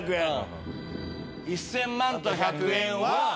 １０００万と１００円は。